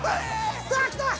さあ来た。